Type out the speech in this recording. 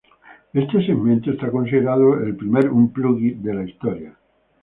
Este segmento es considerado el primer unplugged de la historia.